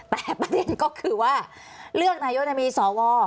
แต่ประเด็นก็คือว่าเลือกนายกมีสว